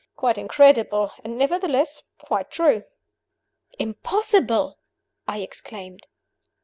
Quite incredible, and nevertheless quite true." "Impossible!" I exclaimed.